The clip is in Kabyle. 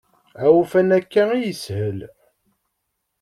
Awufan akka i yeshel.